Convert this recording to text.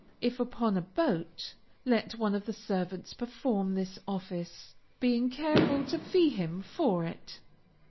If upon a boat, let one of the servants perform this office, being careful to fee him for it.